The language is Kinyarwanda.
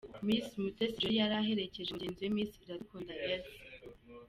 Miss Mutesi Joly yari yaherekeje mugenzi we Miss Iradukunda Elsa.